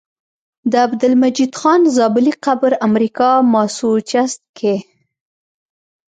د عبدالمجيد خان زابلي قبر امريکا ماسوچست کي